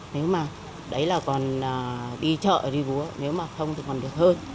nếu mà đấy là còn đi chợ đi búa nếu mà không thì còn được hơn